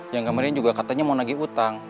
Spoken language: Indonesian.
yang kemarin juga katanya mau nagih utang